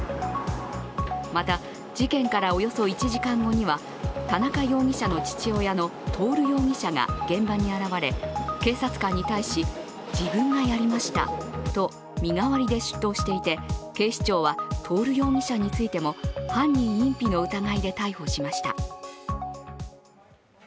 また、事件からおよそ１時間後には田中容疑者の父親の徹容疑者が現場に現れ、警察官に対し、自分がやりましたと身代わりで出頭していて、警視庁は徹容疑者についても犯人隠避の疑いで逮捕しました。